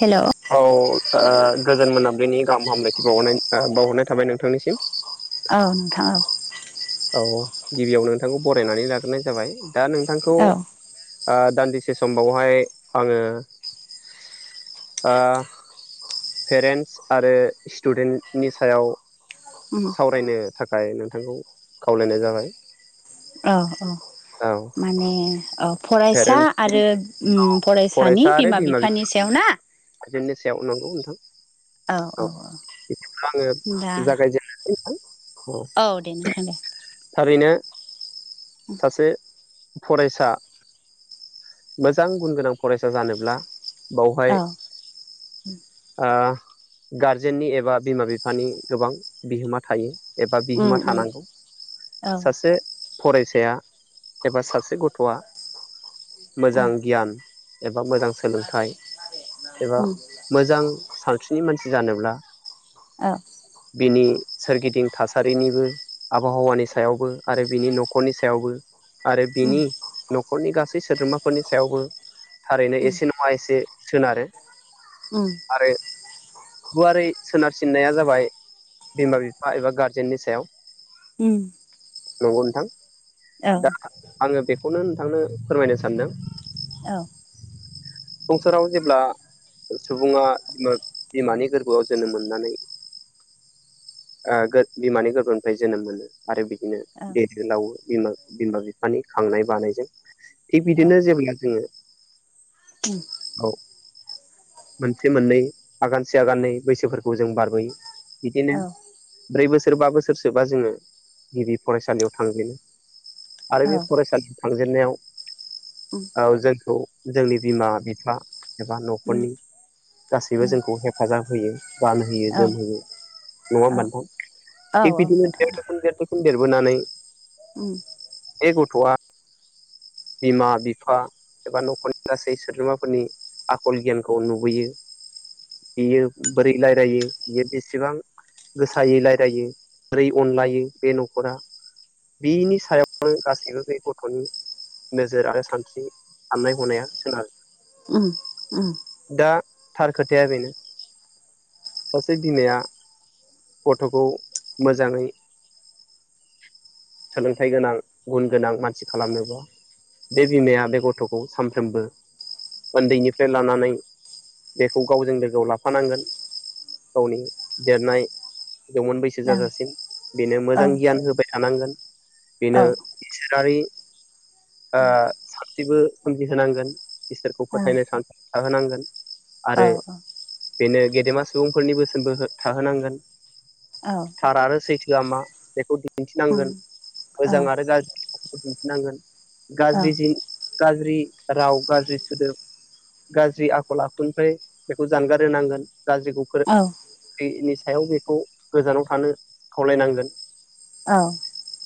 हेल' औ ओ गोजोन मोनाबिलिनि गाहाम हामलायथि बावहरनाय था बावहरनाय थाबाय नोंथांनिसिम औ नोंथां औ औ गिबियाव नोंथांखौ बरायनानै लाग्रोनाय जाबाय दा नोंथांखौ औ ओ दान्दिसे सम बावहाय आङो ओ पेरेन्टस आरो स्टुडेन्टनि सायाव उम फरायनो थाखाय नोंथांखौ खावलायनाय जाबाय औ औ औ माने अ फरायसा पेरेन्टस आरो उम फरायसानि फरायसा आरो बिमा बिफानि सायाव ना गारजेननि सायाव नंगौ नोंथां औ बिदिब्ला आङो दा जागाय जे औ दे नोंथां दे थारैनो सासे फरायसा मोजां गुन गोनां फरायसा जानोब्ला बावहाय औ ओ गारजेननि एबा बिमा बिफानि गोबां बिहोमा थायो। एबा उम बिहोमा उम थानांगौ औ ओ सासे फराय साया एबा सासे गथ'आ मोजां गियान एबा मोजां सोलोंथाइ एबा उम मोजां सानस्रिनि मानसि जानोब्ला औ बिनि सोरगिदिं थासारिनिबो आबहावानि सायावबो आरो बिनि न खरनि सायावबो आरो उम बिनि नखरनि गासै सोद्रोमाफोरनि सायावबो थारैनो उम एसे नङा एसे सोनारो औ आरो गुवारै सोनारसिननाया जाबाय बिमा बिफा एबा गारजेननि सायाव उम नंगौ नोंथां औ आङो बेखौनो नोंथांनो फोरमायनो सानदों औ संसाराव जेब्ला सुबुङा बिमानि गोरबोआव जोनोम मोननानै ओ गोद बिमानि गोरबोनिफ्राय जोनोम मोनो आरो बिदिनो उम देरो लावो बिमा बिमा बिफानि खांनाय बानायजों थिग औ बिदिनो जेब्ला जोङो उम औ मोनसे मोननै आगानसे आगाननै बैसोफोरखौ जों बारबोयो बिदिनो ब्रै बोसोर बा बोसोरसोबा जोङो गिबि फरायसालियाव थांजेनो आरो बे फरायसालियाव उम थांजेननायाव जोंखौ जोंनि बिमा बिफा एबा उम न'खरनि गासैबो जोंखौ हेफाजाब होयो गानहोयो औ औ जोमहोयो नङा होमबा नोंथां। औ औ थिग बिदिनो नोंथां देरबो देरबोसिन देरबोनानै उम बे गथ'आ बिमा बिफा एबा न'खरनि गासै सोद्रोमाफोरनि आखल गियानखौ नुबोयो बियो बोरै रायलायो बियो बेसेबां गोसायै रायलायो बोरै अनलायो बे न'खरा बिनि सायावनो गासैबो बे गथ'नि नोजोर आरो सानस्रि साननाय हनाया सोनारो उम उम दा थार खोथाया बेनो सासे बिमाया गथ'खौ मोजाङै सोलोंथाइ गोनां गुन गोनां मानसि खालामनोबा बे बिमाया बे गथ'खौ सानफ्रोमबो उन्दैनिफ्राय लानानै बेखौ गावजों लोगोआव लाफानांगोन। गावनि देरनाय जौमोन बैसो औ औ जाजासिम बेनो औ मोजां गियान होबाय थानांगोन। बेनो इसोरारि सानथिबो सोमजिहोनांगोन इसोरखौ फोथायनो औ सानस्रि थाहोनांगोन आरो औ बेनो गेदेमा सुबुंफोरनि बोसोनबो थाहोनांगोन। औ थार आरो सैथोआ मा बेखौ उम दिन्थिनांगोन मोजां आरो गाज्रिखौ दिन्थिनांगोन। औ गाज्रि गाज्रि राव गाज्रि सोदोब गाज्रि आखल आखुनिफ्राय बेखौ जानगार होनांगोन गाज्रिखौ फो आङो गाज्रिनि सायाव बेखौ गोजानाव थानो खावलायनांगोन।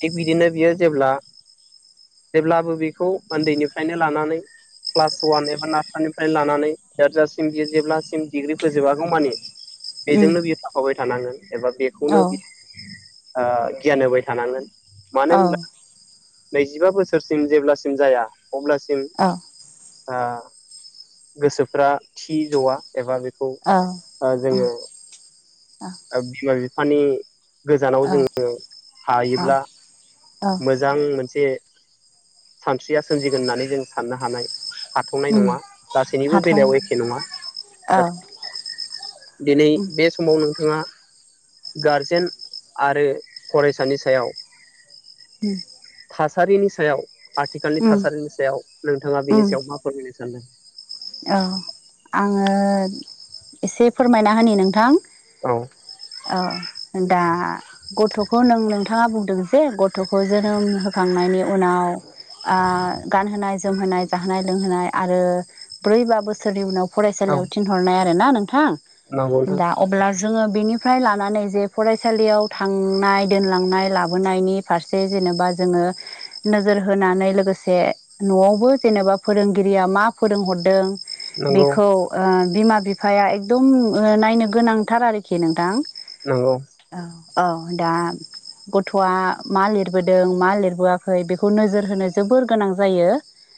थिग बिदिनो बियो जेब्ला जेब्लाबो बेखौ उन्दैनिफ्रायनो लानानै क्लास अवान एबा नार्सनिफ्राय लानानै देरजासिम बियो जेब्लासिम डिग्रि फोजोबागौ मानि बेजोंनो बियो थाफाबाय थानांगोन एबा बेखौनो बियो ओ गियान होबाय थानांगोन मानो होनब्ला नैजिबा बोसोरसिम जेब्लासिम जाया अब्लासिम ओ गोसोफ्रा थि जआ एबा बेखौ जोङो बिमा बिफानि गोजानाव जोङो थाहोयोब्ला मोजां मोनसे सानस्रिया सोमजिगोन होननानै जों साननो हानाय हाथावनाय नङा गासैनिबो बेलायाव एखे नङा। औ दिनै बे समाव नोंथाङा गारजेन आरो फरायसानि सायाव थासारिनि सायाव आथिखालनि थासारिनि सायाव नोंथाङा बिनि सायाव मा फोरमायनो सानदों? औ आङो एसे फोरमायना होनि नोंथां। औ औ दा गथ'खौ नों नोंथाङा बुंदों जे ग थ'खौ जोनोम होखांनायनि उनाव ओ गानहोनाय जोमहोनाय। जाहोनाय लोंहोनाय आरो ब्रै बा बोसोरनि उनाव फरायसालियाव थिनहरनाय आरोना नोंथां। नांगौ नोंथां। दा अब्ला जोङो बेनिफ्राय लानानै जे फरायसालियाव थांनाय दोनलांनाय लाबोनायनि फारसे जेनेबा जोङो नोजोर होनानै लोगोसे न'आवबो जेनेबा फोरोंगिरिया मा फोरोंहरदों। नंगौ बेखौ बिमा बिफाया ओ। दम नायनो गोनांथार आरोखि नोंथां। नंगौ। औ औ दा गथ'आ मा लिरबोदों मा लिरबोआखै बेखौ नोजोर होनो जोबोर गोनां जायो।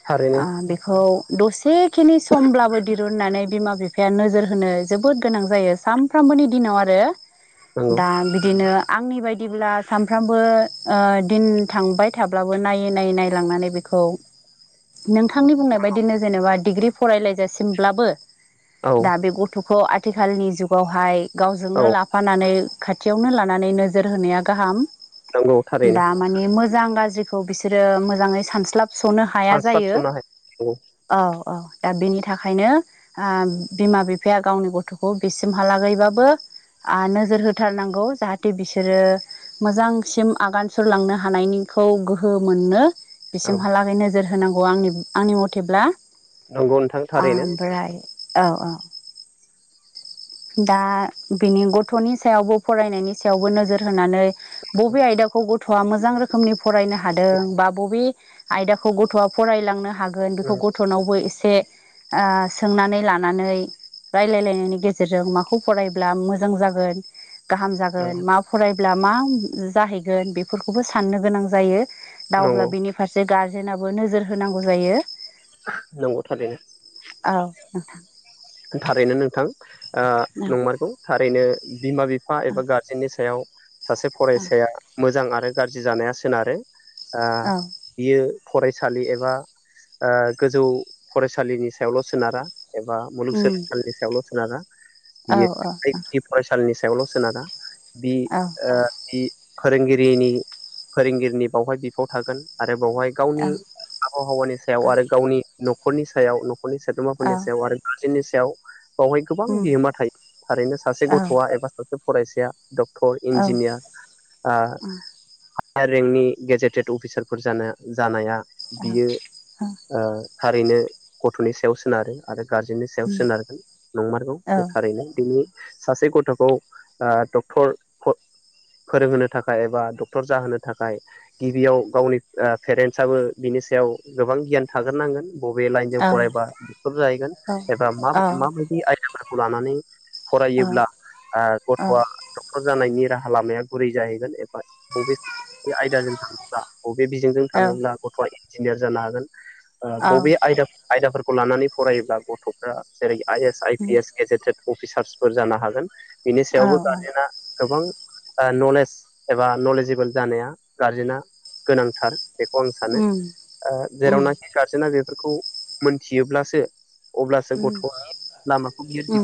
थारैनो बेखौ दसेखिनि समब्लाबो दिरुननानै बिमा बि बिफाया नोजोर होनो जोबोद गोनां जायो। सानफ्रामबोनि दिनाव आरो नंगौ दा बिदिनो आंनि बायदिब्ला सानफ्रामबो ओ दिन थांबाय थाब्लाबो नायै नायै नायलांनानै बेखौ [inaudible] नोंथांनि बुंनाय बायदिनो जेनेबा डिग्रि फरायलायजासिमब्लाबो औ दा बे ग थ'खौ आथिखालनि जुगावहाय गावजोंनो औ लाफानानै खाथियावनो लानानै नोजोर होनाया गाहाम नंगौ थारैनो दा माने मोजां गाज्रिखौ बिसोर मोजाङै सानस्लाबसनो हाया जायो। सानस्लाबस'नो हाया नंगौ औ औ दा बेनि थाखायनो बिमा बिफा। बिफाया गावनि गथ'खौ बेसिमहालागैबाबो। आ नोजोर होथारनांगौ जाहाथे बिसोरो मोजांसिम आगान सुरलांनो हानायनिखौ गोहो मोननो। औ बिसिमहालागै नोजोर होनांगौ आंनि आंनि मथेब्ला नंगौ नोंथां थारैनो ओमफ्राय औ औ दा बिनि गथ'नि सायावबो फरायनायनि सायावबो नोजोर होनानै बबे आयदाखौ गथ'आ मोजां रोखोमनि फरायनो हादों बा बबे आयदाखौ गथ'आ फरायलांनो हागोन बेखौ नंगौ गथ'नावबो एसे ओ सोंनानै लानानै रायलायलायनायनि गे गेजेरजों माखौ फरायब्ला मोजां जागोन गाहाम नंगौ जागोन मा फरायब्ला मा जाहैगोन बेफोरखौबो साननो गोनां जायो दा नंगौ अब्ला बेनि फारसे गारजेनाबो नोजोर होनांगौ जायो। नंगौ थारैनो। औ नोंथां। थारैनो नोंथां ओ नोंथां नंमारगौ थारैनो बिमा बि फा एबा गारजेननि सायाव सासे फरायसाया मोजां आरो गाज्रि जानाया सोनारो। ओ औ बियो फरायसालि एबा ओ गोजौ फरायसालिनि सायावल' सोनारा एबा उम सोलोंथायनि सायावल' सोनारा औ बियो फरायसालिनि सायावल' सोनारा। बि औ ओ बि फोरोंगिरिनि फोरोंगिरिनि बावहाय बिफाव थागोन। आरो बेवहाय गावनि औ आबहावानि सायाव आरो गावनि न'खरनि सायाव नखरनि सोद्रोमाफोरनि औ सायाव आरो गार्जेननि सायाव बेवहाय गोबां र' बिहोमा थायो थारैनो सासे गथ'आ एबा सासे फरायसाया डक्टर इन्जिनियार ओ हायार रेंकनि गेजेटेड अफिसारफोर जानाया बियो थारैनो गथ'नि सायाव सोनारो आरो गारजेन नि सायाव सोनारगोन नंमारगौ बे थारैनो बिनि सासे गथ'खौ डक्टर फोरोंहोनो थाखाय एबा डक्टर जाहोनो थाखाय गिबियाव गावनि पेरेन्टसाबो बिनि सायाव गोबां गियान थाग्रोनांगोन बबे लाइनजों फरायबा दक्टर जाहैगोन एबा मा माबायदि आयदाफोरखौ लानानै फरायोब्ला गथ'आ जानायनि राहा लामाया गुरै जाहैगोन एबा बबे आयदाजों थाङोबा बबे बिजोंजों थाङोब्ला गथ'आ इन्जिनियार जानो हागोन बबे आयदा आयदाफोरखौ लानानै फरायोब्ला गथ'फ्रा जेरै I S I P S gazetted अफिसार्सफोर जानो हागोन बिनि सायावबो गारजेना गोबां नलेज एबा नलेजेबोल जानाया गारजेना गोनांथार बेखौ आं सानो जेरावनाखि गारजेना बेफोरखौ मोनथियोब्लासो अब्ला सासे गथ'आ लामाखौ बियो दि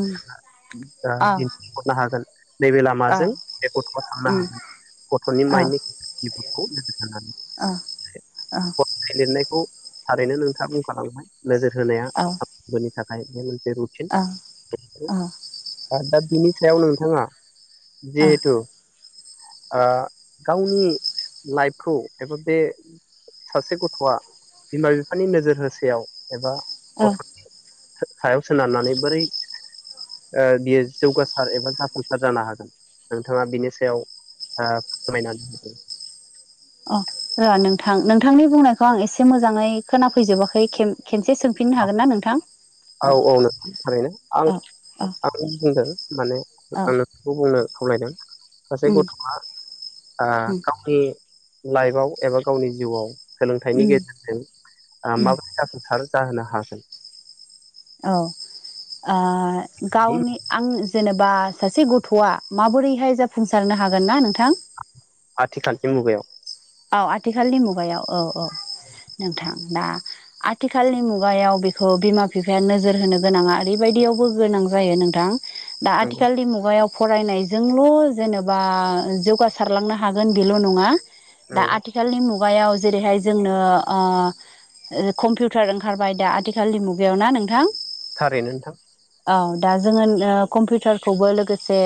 दिन्थिहरनो हागोन नैबे लामाजों बे गथ'आव थांनो हागोन गथ'नि माइननि [unintelligible] ओ ओ लिरनायखौ थारैनो नोंथाङा बुंखालांबाय नोजोर होनाया औ नि थाखाय बे मोनसे रुटिन दा बिनि सायाव नोंथाङा जिहेतु गावनि लाइफखौ एबा बे सासे गथ'आ बिमा बिफानि नोजोर होसेयाव एबा ओ गथ'नि सायाव सोनारनानै बोरै बियो जौगासार एबा जाफुंसार जानो हागोन नोंथाङा बिनि सायाव फोरमायनानै होदों अ र नोंथां नोंथांनि बुंनायखौ आं एसे मोजाङै खोनाफैजोबाखै खेबसे सोंफिन हागोन ना नोंथां औ औ नोंथां थारैनो आं औ औ आं बुंदों माने आंनो बेखौ बुंनो खावलायदों सासे गथ'आ गावनि लाइफआव एबा गावनि जिउआव सोलोंथाइनि गेजेरजों औ माबोरै जाफुंसार जाहोनो हागोन औ गावनि आं जेनेबा सासे गथ'आ माबोरैहाय जाफुंसारनो हागोन ना नोंथां आथिखालनि मुगायाव औ आथिखालनि मुगायाव औ औ नोंथां दा आथिखालनि मुगायाव बेखौ बिमा बिफाया नोजोर होनो गोनाङा ओरैबायदियावबो गोनां जायो नोंथां दा नंगौ आथिखालनि मुगायाव फरायनायजोंल' जेनेबा जौगासारलांनो हागोन बेल' नङा दा नंगौ आथिखालनि मुगायाव जेरैहाय जोंनो कम्पिउटार ओंखारबाय दा आथिखालनि मुगायाव ना नोंथां थारैनो नोंथां औ दा जोङो कम्पिउटारखौबो लोगोसे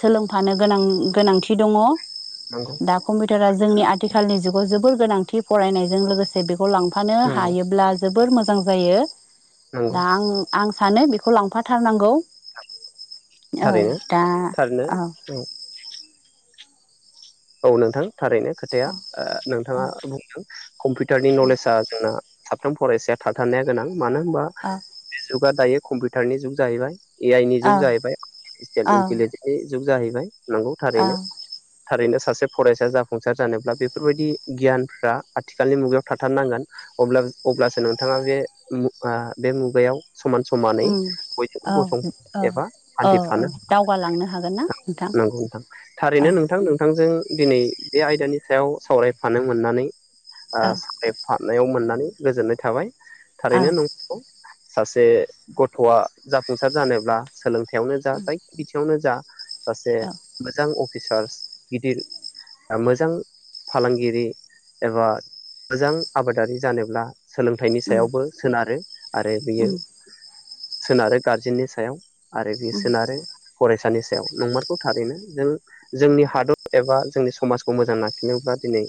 सोलोंफानो गोनां गोनांथि दङ नंगौ दा कम्पिउटारा जोंनि आथिखालनि जुगाव जोबोर गोनांथि फरायनायजों लोगोसे बेखौ लांफानो नंगौ हायोब्ला जोबोर मोजां जायो नंगौ दा आं आं सानो बेखौ लांफाथारनांगौ औ थारैनो दा थारैनो औ औ नोंथां थारैनो खोथाया औ नोंथाङा बुंदों कम्पिउटारनि नलेजआ जोंना साफ्रोम फरायसाया थाथारनाया गोनां मानो होनबा औ जुगा दायो कम्पिउटारनि जुग जाहैबाय ए आइ नि औ जुग जाहैबाय आर्टिफिसियेल इन्टिलिजेन्स बे जुग जाहैबाय नंगौ औ थारैनो थारैनो सासे फरायसाया जाफुंसार जानोब्ला बेफोरबायदि गियानफ्रा आथिखालनि मुगायाव थाथारनांगोन अब्लासो नोंथाङा बे बे मुगायाव समान समानै उम औ बयजोंबो गसं औ एबा औ हान्थिफानो दावगालांनो हागोन ना नोंथां नंगौ नोंथां औ थारैनो नों नोंथां नोंथांजों दिनै बे आयदानि सायाव सावरायफानो मोननानै औ सावरायफानो मोननानै गोजोननाय थाबाय औ थारैनो नों सासे गथ'आ जाफुंसार जानोब्ला सोलोंथायावनो जा उम जायखिजाया बिथिंवानो जा सासे मोजां अफिसार गिदिर मोजां फालांगिरि एबा मोजां आबादारि जानोब्ला सोलोंथाइनि सायावबो सोनारो आरो बियो उम सोनारो गारजेननि सायाव आरो बेयो उम सोनारो फरायसानि सायाव नंमारखौ थारैनो जों जोंनि हादर एबा जोंनि समाजखौ मोजां लाखोनोब्ला दिनै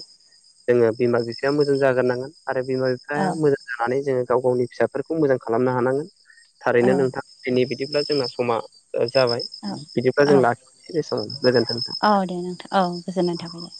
जोङो बिमा बिफाया मोजां जाग्रोनांगोन आरो बिमा बिफा औ बिफाया मोजां जानानै जोङो गाव गावनि फिसाफोरखौ मोजां खालामनो हानांगोन थारैनो औ नोंथाङा बिनि बिदिब्ला जोंना समा जाबाय औ बिदिब्ला जों औ लाखिसै बेसेबां गोजोन्थों औ दे नोंथां औ गोजोननाय थाबाय दे